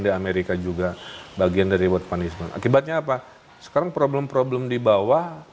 di amerika juga bagian dari world punishment akibatnya apa sekarang problem problem di bawah